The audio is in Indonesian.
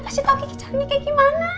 kasih tau kiki caranya kayak gimana